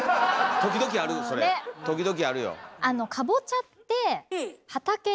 時々あるよ。